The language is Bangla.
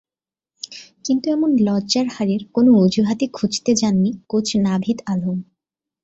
কিন্তু এমন লজ্জার হারের কোনো অজুহাতই খুঁজতে যাননি কোচ নাভিদ আলম।